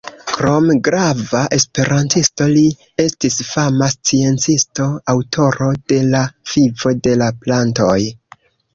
Krom grava esperantisto, li estis fama sciencisto, aŭtoro de “La Vivo de la Plantoj”.